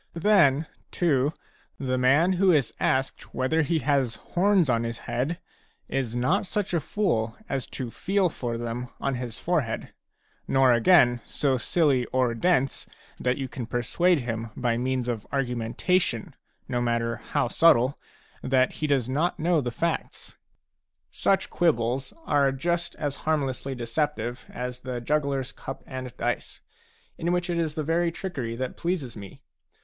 Then, too, the man who is asked whether he has horns on his head a is not such a fool as to feel for them on his forehead, nor again so silly or dense that you can persuade him by means of argumentation, no matter how subtle, that he does not know the facts. Such quibbles are just as harmlessly deceptive as the jugglers cup and dice, in which it is the very trickery that pleases me.